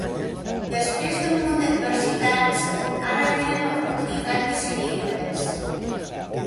Després d’un munt d’adversitats, ara tenen l’oportunitat de ser lliures.